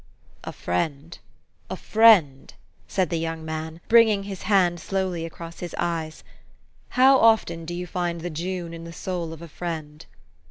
"A friend, a friend!" said the young man, bringing his hand slowly across his eyes. u How often do you find the June in the soul of a friend?